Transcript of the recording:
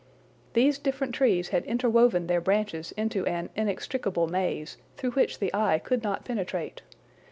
These different trees had interwoven their branches into an inextricable maze, through which the eye could not penetrate.